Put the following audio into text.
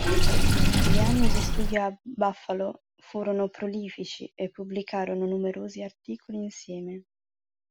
Gli anni di studio a Buffalo furono prolifici e pubblicarono numerosi articoli insieme.